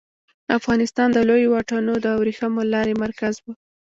افغانستان د لویو واټونو د ورېښمو لارې مرکز و